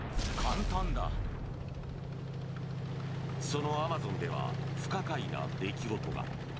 そのアマゾンでは不可解な出来事が。